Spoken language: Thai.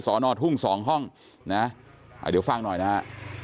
สอนอทุ่งสองห้องนะเดี๋ยวฟังหน่อยนะฮะ